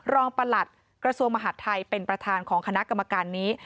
ประหลัดกระทรวงมหาดไทยเป็นประธานของคณะกรรมการนี้